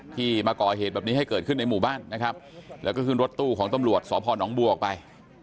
ที่มาก่อเหตุแบบนี้ให้เกิดขึ้นในหมู่บ้านนะครับแล้วก็ขึ้นรถตู้ของตำรวจสพนบัวออกไป